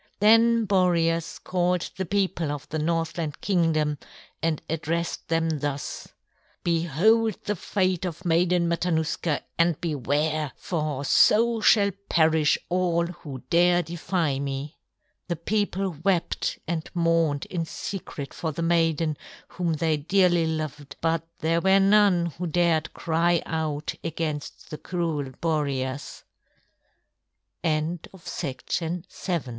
Then Boreas called the people of the Northland Kingdom and addressed them thus: "Behold the fate of Maiden Matanuska and beware! For so shall perish all who dare defy me." The people wept and mourned in secret for the maiden whom they dearly loved, but there were none who dared cry out against the cruel Boreas. III Meanwhile Prince Kenai, b